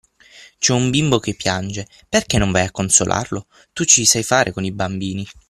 C'è un bimbo che piange, perché non vai a consolarlo? Tu ci sai fare con i bambini.